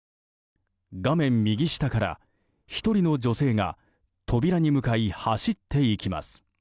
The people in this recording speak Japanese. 画面右下から１人の女性が扉に向かい走っていきます。